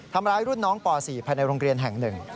ทำร้ายรุ่นน้องป๔ภายในโรงเรียนแห่งหนึ่ง